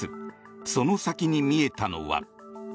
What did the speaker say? その先に見えたのは。